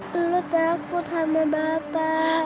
luluh takut sama bapak